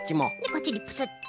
こっちにプスッと。